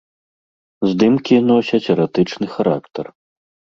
Здымкі носяць эратычны характар.